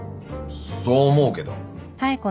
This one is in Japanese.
そう思うけど。